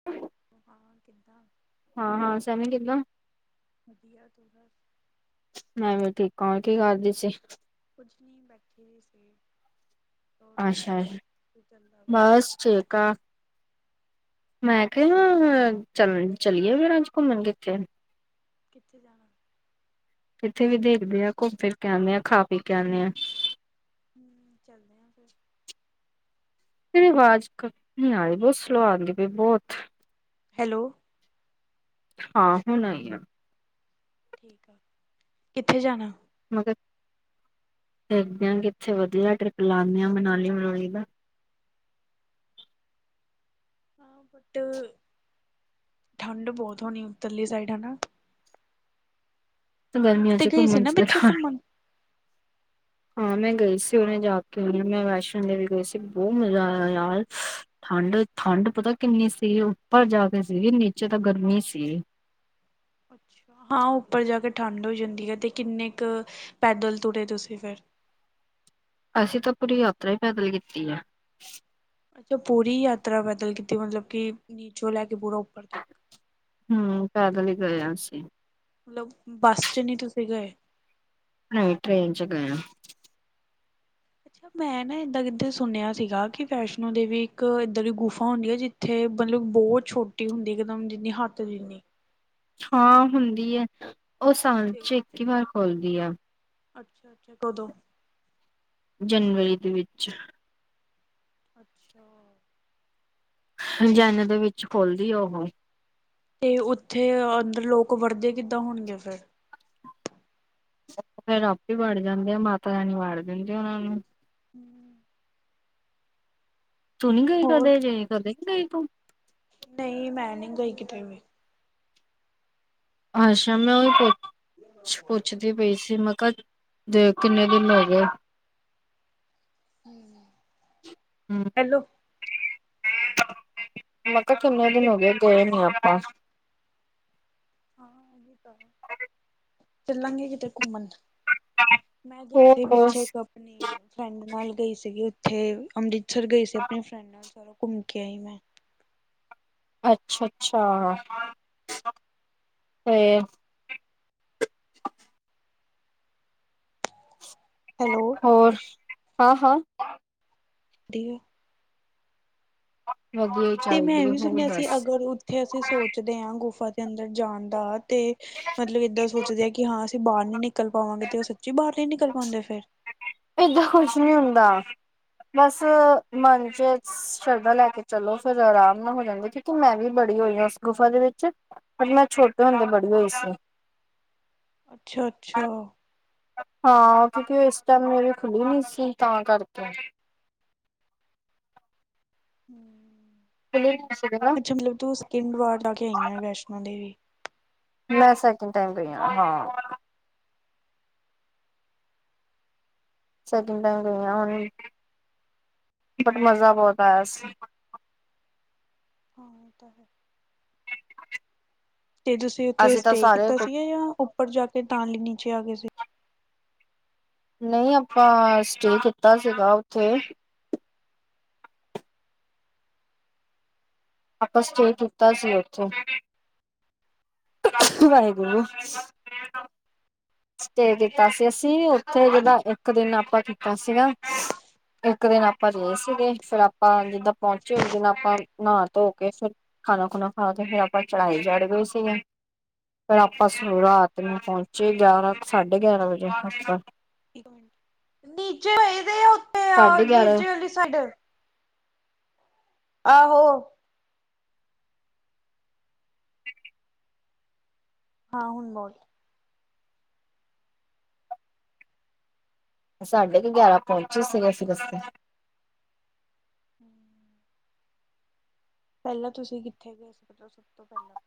[unintelligible] [unintelligible] ਹਾਂ-ਹਾਂ, ਸੈਮੀ ਕਿੱਦਾਂ? ਵਦੀਆ ਤੂੰ ਮੈਂ ਵੀ ਠੀਕ ਹਾਂ, ਕੀ ਕਰਦੀ ਸੀ? ਕੁਝ ਨਹੀਂ ਬੈਠੇ ਹੋਈ ਸੀ। ਹੋਰ ਤੂੰ ਅੱਛਾ ਦੱਸ ਅ ਕੀ ਚੱਲਦਾ ਪਿਆ ਬਸ ਠੀਕ ਆ। ਮੈਂ ਕਿਹਾ ਚੱਲ ਚੱਲਿਏ ਫੇਰ ਅਜ ਘੁੰਮਣ ਕਿੱਥੇ? ਕਿੱਥੇ ਜਾਣਾ ਕਿੱਥੇ ਵੀ ਦੇਖਦੇ ਆ, ਘੁੰਮ ਫਿਰ ਕੇ ਆਉਂਨੇ ਆਾਂ ਖਾ ਪੀ ਕੇ ਆਉਂਨੇ ਆ। ਹ ਚੱਲਦੇ ਹਾਂ ਫਿਰ ਤੇਰੀ ਆਵਾਜ਼ ਨੀ ਆ ਰਹੀ, ਬਹੁਤ ਸਲੋਅ ਆਉਂਦੀ ਪਈ ਬਹੁਤ ਹੈਲੋ ਹਾਂ ਹੁਣ ਆਈ ਆ। ਕਿੱਥੇ ਜਾਣਾ? ਮਗਰ ਦੇਖਦੇ ਹਾਂ ਕਿਥੇ ਵਧੀਆ ਟ੍ਰਿਪ ਲਾਉਂਦੇ ਆ ਮਨਾਲੀ ਮਨੂੰਲੀ ਦਾ। ਹਾਂ ਬਟ ਠੰਡ ਬਹੁਤ ਹੋਣੀ ਉੱਤਰਲੀ ਸਾਈਡ ਹੈਨਾ। ਤੂੰ ਗਰਮੀਆਂ ਕਿਤੇ ਚ ਗਈ ਸੀ ਘੁੰਮਣ ਨਾ ਚ, ਪਿੱਛੇ ਦੇਖਾਂਗੇ ਘੁੰਮਣ ਹਾਂ ਮੈਂ ਗਈ ਸੀ ਹੁਣੇ ਜਾ ਕੇ ਆਈ ਆਂ, ਮੈਂ ਵੈਸ਼ਨੋ ਦੇਵੀ ਗਈ ਸੀ ਬਹੁਤ ਮਜ਼ਾ ਆਇਆ ਯਾਰ ਠੰਡ ਠੰਡ ਪਤਾ ਕਿੰਨੀ ਸੀ, ਉੱਪਰ ਜਾ ਕੇ ਸੀਗੀ, ਨੀਚੇ ਤਾਂ ਗਰਮੀ ਸੀ। ਹਾਂ ਉੱਪਰ ਜਾ ਕੇ ਠੰਢ ਹੋ ਜਾਂਦੀ ਹੈ, ਤੇ ਕਿੰਨੇ ਕੁ ਪੈਦਲ ਤੁਰੇ ਤੁਸੀਂ ਫਿਰ ਅਸੀਂ ਤਾਂ ਪੂਰੀ ਯਾਤਰਾ ਹੀ ਪੈਦਲ ਕੀਤੀ ਐ ਅੱਛਾ, ਪੂਰੀ ਯਾਤਰਾ ਪੈਦਲ ਕੀਤੀ ਮਤਲਬ ਕਿ ਨੀਚੋਂ ਲੈ ਕੇ ਪੂਰਾ ਉੱਪਰ ਤੱਕ ਹੂ ਪੈਦਲ ਹੀ ਗਏ ਆਂ ਅਸੀ। ਮਤਲਬ ਬੱਸ ਚ ਨਹੀਂ ਤੁਸੀਂ ਗਏ ਨਹੀਂ ਟ੍ਰੇਨ ਚ ਗਏ ਆਂ ਅੱਛਾ, ਮੈਂ ਨਾ ਇਦਾਂ ਕਿੱਧਰ ਸੁਣਿਆ ਸੀਗਾ, ਕਿ ਵੈਸ਼ਨੋ ਦੇਵੀ ਇੱਕ ਇਦਾ ਦੀ ਗੁਫਾ ਹੁੰਦੀ ਹੈ ਜ ਉੱਥੇ ਮਤਲਬ ਬਹੁਤ ਛੋਟੀ ਹੁੰਦੀ ਇੱਕਦਮ ਜਿੰਨੀ ਹੱਥ ਜਿੰਨੀ ਹਾਂ ਹੁੰਦੀ ਹੈ, ਉਹ ਸਾਲ ਤੇ ਚ ਇੱਕ ਹੀ ਵਾਰ ਖੂਲਦੀ ਐ ਅੱਛਾ ਅੱਛਾ ਕਦੋਂ ਜਨਵਰੀ ਦੇ ਵਿੱਚ ਅੱਛਾ ਹੰਜਾਣੇ ਦੇ ਵਿੱਚ ਖੂਲਦੀ ਐ ਉਹ ਤੇ ਉੱਥੇ ਅੰਦਰ ਲੋਕ ਵੜਦੇ ਕਿੱਦਾਂ ਹੋਣਗੇ ਫੇਰ ਫਿਰ ਆਪੇ ਹੀ ਵੜ ਜਾਂਦੇ ਆ, ਮਾਤਾ ਰਾਣੀ ਵਾੜ ਦਿੰਦੀਂ ਆ ਉਹਨਾਂ ਨੂੰ [inaudible] ਤੂੰ ਨੀ ਗਈ ਹੋਰ ਕਦੇ ਜੇ, ਕਦੇ ਨੀ ਗਈ ਤੂੰ ਨਹੀਂ ਮੈਂ ਨਹੀਂ ਗਈ ਕਿਥੇ ਵੀ ਅੱਛਾ ਮੈਂ ਉਹੀ ਪੁੱਛ ਪੁੱਛਦੀ ਪਈ ਸੀ, ਮੈਂ ਕਿਹਾ ਤੇ ਕਿੰਨੇ ਦਿਨ ਹੋ ਗਏ ਹਮ ਹੈਲੋ ਮੈਂ ਕਿਹਾ ਕਿੰਨੇ ਹੋਰ ਦਿਨ ਹੋ ਗਏ, ਗਏ ਨੀ ਆਪਾਂ ਹਾਂ ਇਹ ਤਾਂ ਹੈ, ਚੱਲਾਂਗੇ ਕਿਥੇ ਘੁੰਮਣ ਮੈਂ ਗਈ ਸੀ ਹੋਰ ਪਿੱਛੇ, ਇੱਕ ਆਪਣੀ ਫਰੈਂਡ ਨਾਲ ਗਈ ਸੀਗੀ ਉੱਥੇ ਅੰਮ੍ਰਿਤ ਉਥਰ ਗਏ ਸੀ ਆਪਣੀ ਫਰੈਂਡ ਨਾਲ, ਸਾਰਾ ਘੁੰਮ ਕੇ ਆਈ ਮੈਂ ਅੱਛਾ ਅੱਛਾ ਤੇ ਹੈਲੋ ਹੋਰ ਹਾਂ ਹਾਂ ਦੀ ਵਧੀਆ। ਤੇ ਮੈਂ ਇਹ ਚਾਹੀਦੀ ਵੀ ਹੋਰ ਸੁਣਿਆ ਸੀ, ਦੱਸ ਅਗਰ ਉੱਥੇ ਅਸੀਂ ਸੋਚਦੇ ਹਾਂ ਗੁਫਾ ਦੇ ਅੰਦਰ ਜਾਣ ਦਾ ਤੇ ਮਤਲਬ ਏਦਾਂ ਸੋਚਦੇ ਆ ਕਿ ਹਾਂ ਅਸੀਂ ਬਾਹਰ ਨੀ ਨਿਕਲ ਪਾਵਾਂ, ਗੇ ਤੇ ਉਹ ਸੱਚੀ ਬਾਹਰ ਨੀ ਨਿਕਲ ਪਾਉਂਦੇ ਫੇਰ। ਏਦਾਂ ਕੁਛ ਨਹੀਂ ਹੁੰਦਾ, ਬਸ ਮਨ ਚ ਸ਼ਰਧਾ ਲੈ ਕੇ ਚਲੋ ਫੇਰ ਆਰਾਮ ਨਾਲ ਹੋ ਜਾਂਦੇ, ਕਿਉਂਕਿ ਮੈਂ ਵੀ ਵੜੀ ਹੋਈ ਹਾਂ ਉਸ ਗੁਫਾ ਦੇ ਵਿੱਚ। ਪਰ ਮੈਂ ਛੋਟੇ ਹੁੰਦੇ ਵੜੀ ਹੋਈ ਸੀ। ਅੱਛਾ- ਅੱਛਾ! ਹਾਂ ਕਿਉਂਕਿ ਉਹ ਇਸ ਟਾਈਮ ਮੇਰੀ ਖੁੱਲੀ ਨੀ ਸੀ ਤਾਂ ਕਰਕੇ। ਹਮ। ਖੁੱਲੀ ਨੀ ਸੀ ਨਾ ਅੱਛਾ ਮਤਲਬ ਤੂੰ ਸੈਕਿੰਡ ਵਾਰ ਲਾ ਕੇ ਆਈ ਆ ਵੈਸ਼ਨੋ ਦੇਵੀ। ਮੈਂ ਸੈਕਿੰਡ ਟਾਈਮ ਗਈ ਆਂ, ਹਾਂ। ਸੈਕਿੰਡ ਟਾਈਮ ਗਈਆਂ ਹੁਣ, ਬਟ ਮਜ਼ਾ ਬਹੁਤ ਆਇਆ ਸੀ। ਹਾਂ ਤਾਂ ਹੈ। ਤੇ ਤੁਸੀਂ ਉੱਥੇ ਅਸੀਂ ਤਾਂ ਸਟੇ ਸਾਰੇ ਕੀਤਾ ਸੀਗਾ ਜਾਂ ਉੱਪਰ ਜਾ ਕੇ ਦਾਨਲੀ ਨੀਚੇ ਆ ਗਏ ਸੀ? ਨਹੀਂ ਆਪਾਂ ਸਟੇ ਕੀਤਾ ਸੀਗਾ ਉੱਥੇ। ਆਪਾਂ ਸਟੇ ਕੀਤਾ ਸੀ ਉੱਥੇ। ਵਾਹਿਗੂਰੂ। ਸਟੇ ਕੀਤਾ ਸੀ ਅਸੀਂ ਉੱਥੇ, ਜਿਦਾਂ ਇੱਕ ਦਿਨ ਆਪਾਂ ਕੀਤਾ ਸੀਗਾ। ਇੱਕ ਦਿਨ ਆਪਾਂ ਰਹੇ ਸੀਗੇ, ਫੇਰ ਆਪਾਂ ਜਿੱਦਾਂ ਪਹੁੰਚੇ ਉਸ ਦਿਨ ਆਪਾਂ ਨਹਾ ਧੋ ਕੇ ਫਿਰ ਖਾਣਾ -ਖੁਣਾ ਖਾ ਕੇ ਫਿਰ ਆਪਾਂ ਚੜ੍ਹਾਈ ਚੜ੍ਹ ਗਏ ਸੀਗੇ। ਫਿਰ ਆਪਾਂ ਸ ਰਾਤ ਨੂੰ ਪਹੁੰਚੇ ਗਿਆਰਾਂ ਸਾਢੇ ਗਿਆਰਾਂ ਵਜੇ ਆਪਾਂ। ਨੀਚੇ ਵਏਦੇ ਉੱਥੇ। ਸਾਢੇ ਗਿਆਰਾਂ। ਲੀ ਸਾਈਡ। ਆਹੋ। ਹਾਂ ਹੁਣ ਬਹੁਤ। ਸਾਢੇ ਕੁ ਗਿਆਰਾਂ ਪਹੁੰਚੇ ਸੀਗੇ ਅਸੀਂ ਰਸਤੇ। ਹਮ। ਪਹਿਲਾਂ ਤੁਸੀਂ ਕਿੱਥੇ ਗਏ ਸਕਦੇ ਹੋ ਸਭ ਤੋਂ ਪਹਿਲਾਂ?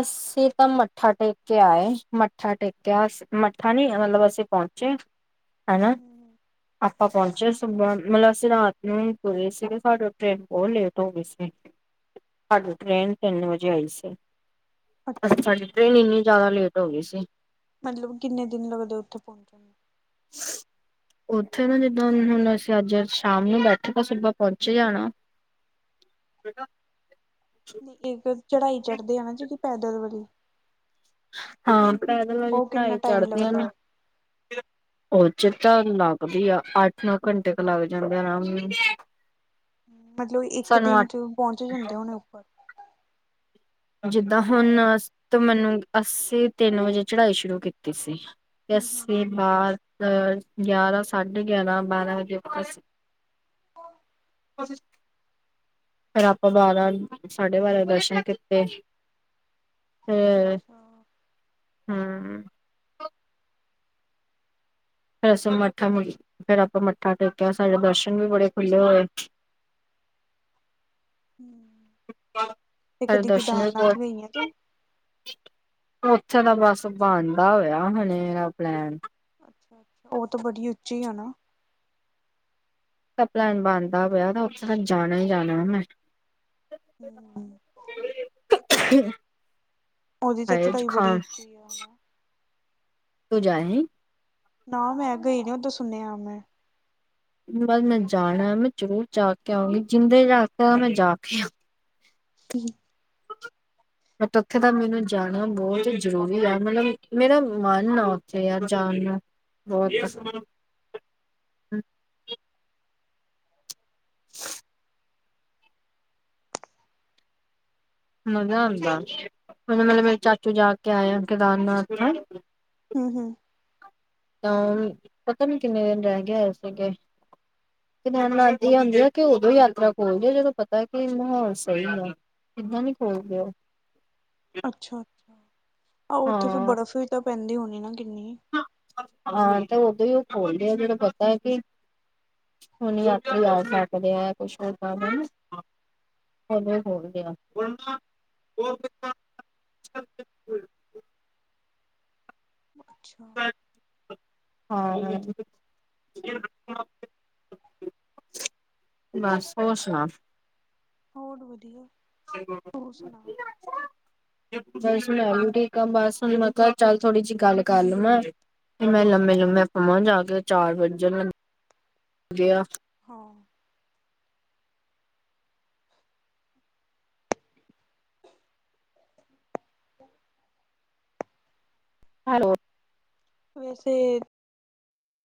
ਅਸੀਂ ਤਾਂ ਮੱਥਾ ਟੇਕ ਕੇ ਆਏ, ਮੱਥਾ ਟੇਕਿਆ, ਅ ਮੱਠਾ ਨਹੀਂ ਮਤਲਬ ਅਸੀਂ ਪਹੁੰਚੇ। ਹੈਨਾ। ਆਪਾਂ ਪਹੁੰਚੇ ਸੁਬਾਹ, ਮਤਲਬ ਅਸੀਂ ਰਾਤ ਨੂੰ ਤੁਰੇ ਸੀਗੇ, ਸਾਡੇ ਟ੍ਰੇਨ ਬਹੁਤ ਲੇਟ ਹੋ ਗਈ ਸੀ। ਸਾਡੀ ਟ੍ਰੇਨ ਤਿੰਨ ਵਜੇ ਆਈ ਸੀ। ਅੱ ਅੱਛਾ ਸਾਡੀ ਟ੍ਰੇਨ ਇੰਨੀ ਜ਼ਿਆਦਾ ਲੇਟ ਹੋ ਗਈ ਸੀ। ਮਤਲਬ ਕਿੰਨੇ ਦਿਨ ਲੱਗਦੇ ਉੱਥੇ ਪਹੁੰਚਣ ਨੂੰ? ਹਾਂ। ਉੱਥੇ ਨਾ ਜਿੱਦਾਂ ਹੁਣ ਅਸੀਂ ਅੱਜ ਸ਼ਾਮ ਨੂੰ ਬੈਠੇ, ਤਾਂ ਸੁਬਾ ਪਹੁੰਚੇ ਜਾਣਾ। ਕਾ [unintelligible] ਇੱਕ ਚੜਾਈ ਚੜ੍ਹਦੇ ਆ ਨਾ ਜਿਹੜੀ ਪੈਦਲ ਵਾਲੀ ਹਾਂ ਤੇ ਪੈਦਲ ਉਹ ਕਿੰਨਾ ਚੜ੍ਹਾਈ ਟਾਈਮ ਚੜ੍ਹਦੇ ਆਂ ਨਾ ਲੱਗਦਾ? ਉਹ ਚੇ ਤਾਂ ਲੱਗਦੀ ਆ ਅੱਠ ਨੌ ਘੰਟੇ ਕ ਲੱਗ ਜਾਂਦੇ ਆਰਾਮ ਨੂੰ। ਮਤਲਬ ਇੱਕ ਦਿਨ ਚ ਪਹੁੰਚ ਜਾਂਦੇ ਹੋਣੇ ਉੱਪਰ। ਜਿੱਦਾਂ ਹੁਣ ਮੈਨੂੰ ਅੱਸੀ ਤਿੰਨ ਵਜੇ ਚੜ੍ਹਾਈ ਸ਼ੁਰੂ ਕੀਤੀ ਸੀ। ਹੂੰ ਹੂੰ ਏਆਸੀ ਬਾਅਦ ਅਹ ਗਿਆਰਾਂ ਸਾਢੇ ਗਿਆਰਾਂ, ਬਾਰਾਂ ਵਜੇ ਕੋਨ? ਫਿਰ ਆਪਾਂ ਬਾਰਾਂ, ਸਾਢੇ ਬਾਰਾਂ ਦਰਸ਼ਨ ਕਿ ਤੇ ਅੱਛਾ। ਹੂੰ ਫੇਰ ਅਸੀਂ ਮੱਠਾ, ਫੇਰ ਆਪਾ ਮੱਥਾ ਟੇਕਿਆ ਸਾਡੇ ਦਰਸ਼ਨ ਵੀ ਬੜੇ ਖੁੱਲ੍ਹੇ ਹੋਏ। ਹੂੰ [inaudible] ਤੇ ਹ ਕਦੀ ਦਰਸ਼ਸ਼ਨ, ਪਰ ਕੇਦਾਰਨਾਥ ਗਈ ਆ ਤੂੰ? ਉੱਥੇ ਤਾਂ ਬਸ ਬਣਦਾ ਹੋਇਆ ਹੁਣੇ, ਆਪਣੇ ਅੱਛਾ ਉਹ ਤਾ ਬੜੀ ਉੱਚੀ ਆ ਨਾ? ਤਾਂ ਪਲੈਨ ਬਣਦਾ ਪਿਆ, ਉੱਥੇ ਤਾ ਜਾਣਾ ਈ ਜਾਣਾ ਮੈਂ। ਹੂੰ [unintelligible] [unintelligible] ਉਹਦੀ ਤਾਂ ਹਾਏ ਚੜਾਈ ਬੜੀ ਜ਼ੁਕਾਮ ਉੱਚੀ ਆ, ਹਨਾ? ਤੂੰ ਜਾ ਆਈਂ? ਨਾ ਮੈਂ ਗਈ ਨੀ, ਓਦਾਂ ਸੁਣਿਆ ਮੈਂ। ਬਸ ਮੈਂ ਜਾਣਾ, ਮੈਂ ਜਰੂਰ ਜਾਕੇ ਆਉਂਗੀ, ਜਿੰਦੇ ਜਾ ਮੈਂ ਜਾਕੇ ਆਉ [inaudible] ਬਟ ਉੱਥੇ ਤਾਂ ਮੈਨੂੰ ਜਾਣਾ ਬਹੁਤ ਜ਼ਰੂਰੀ ਆ, ਮਤਲਬ, ਮੇਰਾ ਮਨ ਆ ਉੱਥੇ ਯਾਰ ਜਾਣ ਨਾ। ਹੋਰ ਦਸ ਹੂੰ [unintelligible] ਮਜ਼ਾ ਆਂਦਾ, ਮਤਲਬ ਮੇਰੇ ਚਾਚੂ ਜਾਕੇ ਆਏ ਆ, ਕੇਦਾਰਨਾਥ। ਹੂੰ-ਹੂੰ ਤਾ‌ ਓ ਵੀ, ਪਤਾ ਨਹੀ ਕਿੰਨੇ ਦਿਨ ਰਹਿਕੇ ਆਏ ਸੀਗੇ। ਤੇਨਾਥ ਦੀ ਹੋਂਦੀ ਆ ਕਿ, ਉਦੋਂ ਯਾਤਰਾ ਖੋਲਦੇ ਜਦੋਂ ਪਤਾ ਕਿ ਮਹੌਲ ਸਹੀ ਆ। ਇੱਦਾਂ ਨੀ ਖੋਲਦੇ ਉਹ। ਅੱਛਾ, ਆਹ ਉੱਥੇ ਫਿਰ ਹਾਂ ਬਰਫ਼ ਵੀ ਤਾ ਪੈਂਦੀ ਹੋਣੀ ਨਾ, ਕਿੰਨੀ? ਹਾਂ, ਤੇ ਉਦੋਂ ਹੀ ਉਹ ਖੋਲਦੇ ਆ, ਜਦੋ ਪਤਾ ਏ, ਕਿ ਹੁਣ ਯਾਤਰੀ ਆ ਸਕਦੇ ਆ, ਕੁਛ ਉਹਦਾ ਤਾ ਹੋਗਿਆ ਅੱਛਾ ਹਾਂ ਬਸ, ਹੋਰ ਸੁਣਾ? ਹੋਰ ਵਧੀਆ। ਤੂੰ ਸੁਣਾ [unintelligible] ਬਸ ਮੈਂ ਵੀ ਠੀਕ ਆ, ਬਸ ਹੁਣ ਮੈਂ ਕਿਹਾ ਚੱਲ ਥੋੜੀ ਜਿਹੀ ਗੱਲ ਕਰ ਲਵਾਂ। ਮੈਂ ਲੰਮੇ-ਲੁੰਮੇ ਪਵਾਂ ਜਾਕੇ, ਚਾਰ ਵਜਣ ਲੱਗੇ ਆ। ਹਾ [unintelligible] ਹੈਲੋ ਵੈਸੇ,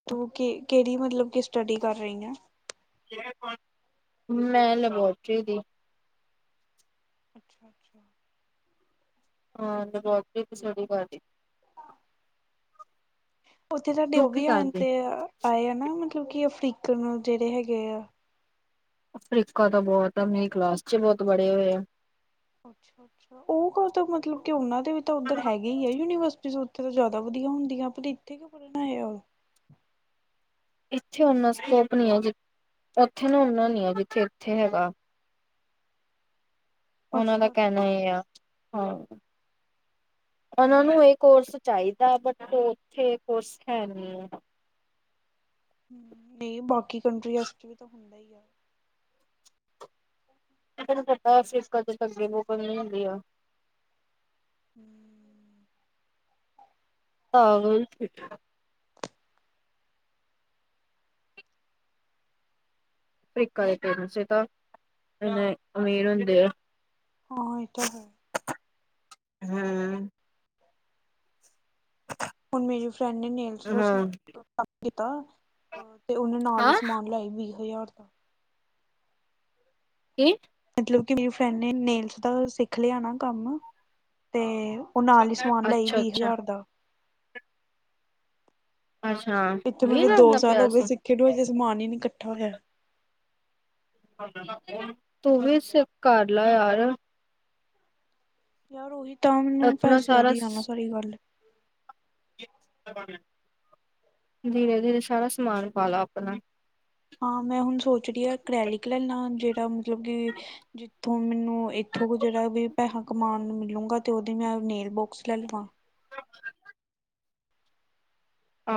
ਤੂੰ ਕਿ, ਕਿਹੜੀ ਮਤਲਬ ਕਿ ਸਟੱਡੀ ਕਰ ਰਹੀ ਆਂ? ਮੈਂ ਲਬੋਟਰੀ ਦੀ। ਅੱਛਾ-ਅੱਛਾ। ਹਾਂ ਦੇਖੋ, ਅੱਗੇ ਦੀ ਸਟਡੀ ਕਰਦੀ। ਉੱਥੇ ਸਾਡੇ ਤੂੰ ਉਹ ਕੀ ਵੀ ਆ ਕਰਦੀ ਤੇ ਆਏ ਆ ਨਾ ਮਤਲਬ ਕਿ ਅਫਰੀਕਨ ਜਿਹੜੇ ਹੈਗੇ ਆ। ਅਫਰੀਕਾਨ ਤਾਂ ਬੋਤ ਐ, ਮੇਰੀ ਕਲਾਸ ਚ ਬੋਤ ਬੜੇ ਹੋਏ ਐ ਅੱਛਾ, ਅੱਛਾ ਓ ਕਾ ਤੋ ਮਤਲਬ ਕਿ ਓਨਾਂ ਦੇ ਵੀ ਤਾਂ ਓੱਧਰ ਹੈਗੇ ਈ ਐ ਯੂਨੀਵਰਸਿਟੀਸ ਉੱਥੇ ਤਾਂ ਜਾਦਾ ਵਦੀਆ ਹੁੰਦੀਆਂ, ਪਰ ਇੱਥੇ ਕਯੋ ਪਰਨ ਆਏਆ ਓ? ਇੱਥੇ ਓਨਾ ਸਕੋਪ ਨੀ ਹੈ ਜੇ, ਓਥੇ ਨਾ ਓਨਾ ਨੀ ਐ ਜਿੱਥੇ-ਇੱਥੇ ਹੈਗਾ। ਓਨਾਂ ਦਾ ਅੱਛਾ। ਕੈਣਾ ਏ ਆ। ਹਾ ਓਨਾਂ ਨੂੰ ਏ ਕੋਰਸ ਚਾਈਦਾ, ਬਟ ਓ ਓਥੇ ਕੋਰਸ ਹੈ ਨੀ ਓ। ਨਈ, ਬਾਕੀ ਕੰਟਰੀਆਸ ਚ ਵੀ ਤਾ ਹੁੰਦਾ ਈ ਆ। ਤੈਨੂੰ ਪਤਾ ਏਸੀਸ ਕਨਟਰੀਸ ਗਰੀਬ-ਗਰੂਬ ਕੋਲ ਨੀ ਹੁੰਦੀਆ। ਹੂੰ ਪਾਗਲ ਫਿਟ ਅਫਰੀਕਾ ਦੇ ਪੇਰਟਸ ਤਾਂ ਇੰਨੇ ਅਮੀਰ ਹੁੰਦੇ ਐ। ਹਾਂ, ਏ ਤਾ ਹੈ। ਹੂੰ। ਹੁਨ, ਮੇਰੀ ਫਰੈਂਡ ਏ ਨੇਹ ਪਿਛਲੇ ਸਾਲ [unintelligible] ਕੰਮ ਕੀਤਾ, ਉਹ ਤੇ ਓਨੇ ਨਾਲ ਈ ਹਾਂ ਸਮਾਨ ਲੈ ਆਈ ਵੀ ਹਜ਼ਾਰ ਦਾ। ਕੀ? ਮਤਲਬ ਕਿ ਮੇਰੀ ਫਰੈਂਡ ਨੇ ਨੇਲਸ ਦਾ ਓ ਸਿੱਖ ਲੇਆ ਨਾ ਕੰਮ, ਤੇ ਓ ਨਾਲ ਈ ਸਮਾਨ ਲੈਈ ਅੱਛਾ ਵੀ ਅੱਛਾ ਹਜ਼ਾਰ ਦਾ। ਅੱਛਾ। ਇੱਥੇ ਵੀਹ ਮੇਰੇ ਦੋ ਲੱਖ ਦਾ ਸਾਲ ਹੋ ਪਿਆ ਗੇ ਸੀ। ਸਿੱਖੇ ਨੂੰ, ਹਜੇ ਸਮਾਨ ਈ ਨੀ ਕੱਠਾ ਹੋਯਾ। ਤੂੰ ਵੀ ਸਿੱਖ ਕਰ ਲੈ ਯਾਰ ਯਾਰ ਓਹੀ ਤਾਂ ਮੈਨੂੰ ਆਪਣਾ ਪੈਸੇ ਯਾ ਸਾਰਾ ਦੀ ਆ ਨਾ ਸਾਰੀ ਗੱਲ। ਧੀਰੇ-ਧੀਰੇ ਸਾਰਾ ਸਮਾਨ ਪਾਲੈ ਆਪਨਾ। ਹਾਂ ਮੈਂ ਹੁਨ ਸੋਚ ਰੀ ਆਂ ਐਕ੍ਰੈਲਿਕ੍ ਲੈਲਾਂ ਜੇੜਾ ਮਤਲਬ ਕਿ ਤੇ ਮੈਨੂੰ ਐਥੋ ਵੀ ਜੇਰਾ ਵੀ ਪੈਸਾ ਕਮਾਨ ਨੂੰ ਮਿਲੂਗਾ, ਤੇ ਓਦੀ ਮੈਂ ਨੇੇਲ ਬੋਕਸ ਲੈ ਲਾ। [inaudible] ਆ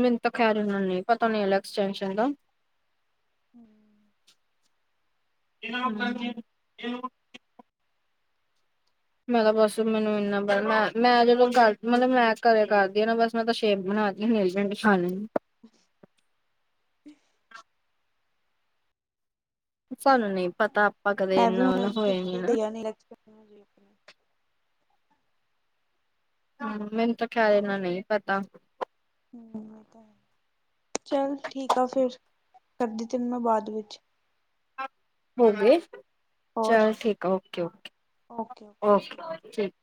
ਮੈਨੂੰ ਤਾਂ ਖੈਰ ਏਨਾਂ ਨੀ ਪਤਾ ਨੇਲ ਐਕਸਟੈਂਸ਼ਨ ਦਾ। ਹੂੰ। [unintelligible] ਮੈਂ ਤਾਂ ਵੈਸੇ ਵੀ ਮੈਨੂੰ ਇੰਨਾ ਮੈਂ, ਮੈਂ ਜਦੋਂ ਘਰ, ਮਲਬ ਮੈਂ ਘਰੇ ਕਰਦੀ ਆ ਨਾ ਬਸ ਮੈਂ ਕੇਆ ਸ਼ੇਪ ਬਨਾ ਕੇ ਨੇਲਪੇਂਟ ਦਿਖਾਨੀਆ। [inaudible] ਸਾਨੂੰ ਨੀ ਪਤਾ ਆਪਾਂ ਕਦੇ ਏਨਾ ਹੋਏ ਨੀ ਨਾ ਨੈਲ ਆਰਟਸ [unintelligible] ਵੇਖਨਾ। ਹੂੰ, ਮੈਨੂੰ ਤਾਂ ਖੈਰ ਏਨਾ ਨਈ ਪਤਾ। ਹੂੰ ਏਹ ਤਾ ਹੈ, ਚੱਲ ਠੀਕ ਆ ਫੇਰ ਕਰਦੀ ਤੈਨੂੰ ਬਾਦ ਵਿੱਚ। [unintelligible] ਹੋ ਗੇ। ਹੋਰ ਚਲ ਠੀਕ ਆ okay, okay okay, okay okay okay ਠੀਕ।